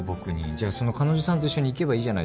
じゃあその彼女さんと一緒に行けばいいじゃないですか。